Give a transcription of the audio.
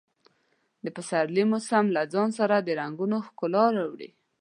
د پسرلي موسم له ځان سره د ګلونو ښکلا راوړي.